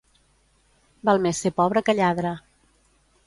Val més ser pobre que lladre.